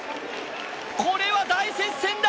これは大接戦だ！